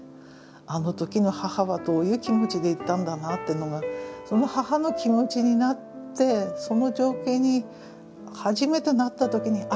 あの時の母はどういう気持ちで言ったんだなってのがその母の気持ちになってその情景に初めてなった時にあ